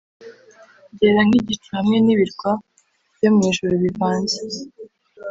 byera nkigicu hamwe nibirwa byo mwijuru bivanze